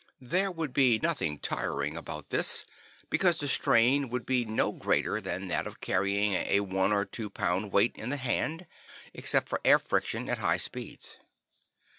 There would be nothing tiring about this, because the strain would be no greater than that of carrying a one or two pound weight in the hand, except for air friction at high speeds.